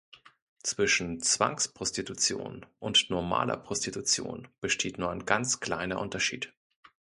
Zwischen Zwangsprostitution und normaler Prostitution besteht nur ein ganz kleiner Unterschied.